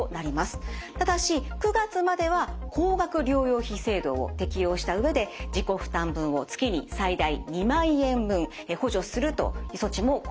ただし９月までは高額療養費制度を適用した上で自己負担分を月に最大２万円分補助するという措置も講じられます。